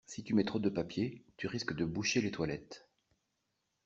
Si tu mets trop de papier, tu risques de boucher les toilettes.